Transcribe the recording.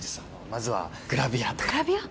まずはグラビアとかグラビア！？